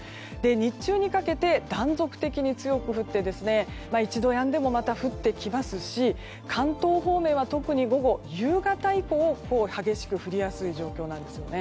日中にかけて断続的に強く降って一度やんでもまた降ってきますし関東方面は特に夕方以降激しく降りやすい状況です。